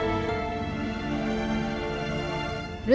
kayaknya kaki udah gak mau jalan